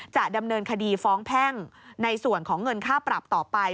จะดำเนินคดีฟ้องแพ่งในส่วนของเงินค่าปรับต่อไป